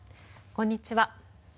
こんにちは。